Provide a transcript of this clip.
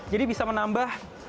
jadi bisa menambah ketajaman panel